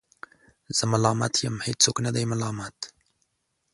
زه ملامت یم ، هیڅوک نه دی ملامت